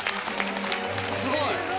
すごい！